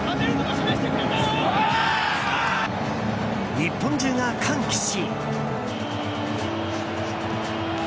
日本中が歓喜し。